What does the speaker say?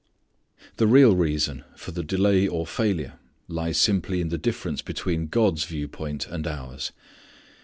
The real reason for the delay or failure lies simply in the difference between God's view point and ours.